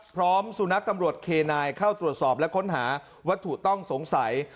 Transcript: สุนัขตำรวจเคนายเข้าตรวจสอบและค้นหาวัตถุต้องสงสัย